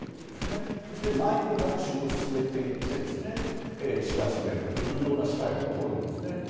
そして内部学習を進めていって知らしめるというスタイルをとるんですね。